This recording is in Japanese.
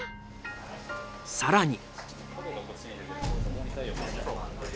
更に。